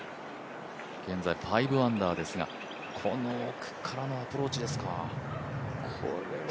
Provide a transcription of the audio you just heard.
現在、５アンダーですがこの奥からのアプローチですか。